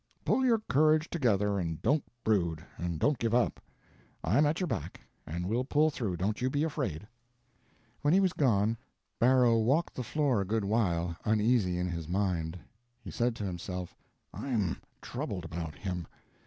Pull your courage together, and don't brood, and don't give up. I'm at your back, and we'll pull through, don't you be afraid." When he was gone, Barrow walked the floor a good while, uneasy in his mind. He said to himself, "I'm troubled about him.